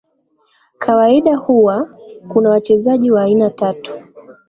kawaida huwa Kuna wachezaji wa aina tatu